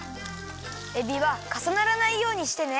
えびはかさならないようにしてね。